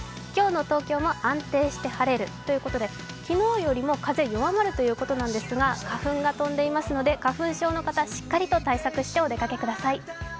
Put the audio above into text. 今日の東京も安定して晴れるということで昨日よりも風、弱まるということなんですが花粉が飛んでいますので、花粉症の方しっかりと対策してお出かけください。